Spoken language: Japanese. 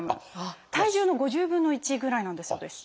体重の５０分の１ぐらいなんだそうです。